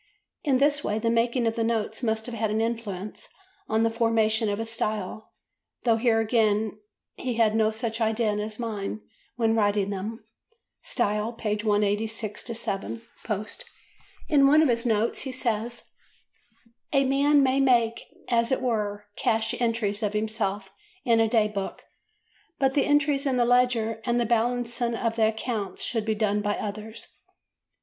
In this way the making of the notes must have had an influence on the formation of his style—though here again he had no such idea in his mind when writing them ("Style," pp. 186–7 post) In one of the notes he says: "A man may make, as it were, cash entries of himself in a day book, but the entries in the ledger and the balancing of the accounts should be done by others."